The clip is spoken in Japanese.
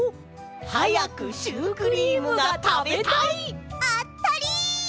はやくシュークリームがたべたい！あたり！